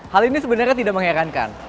hal ini sebenarnya tidak mengherankan